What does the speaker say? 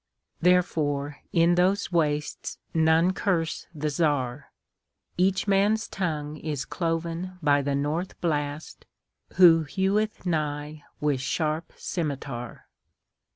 Therefore, in those wastesNone curse the Czar.Each man's tongue is cloven byThe North Blast, who heweth nighWith sharp scymitar.